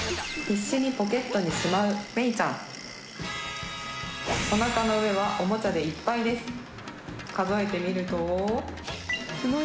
必死にポケットにしまうメイちゃんおなかの上はおもちゃでいっぱいです数えてみると何？